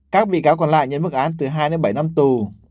các bị cáo còn lại nhận mức án từ hai đến bảy năm tù